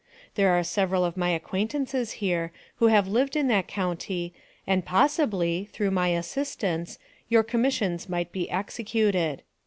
There are several of my acquaintances here, who have lived in that county, and possibly, through my assistance, your commissions might be executed.